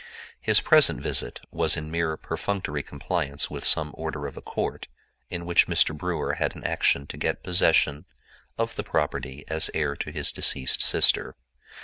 His present visit was in mere perfunctory compliance with some order of a court in which Mr. Brewer had an action to get possession of the property as heir to his deceased sister.